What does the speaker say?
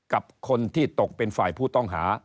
กับคนที่ตกเป็นฝ่ายผู้ต้องหา